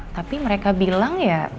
tapi mereka bilang ya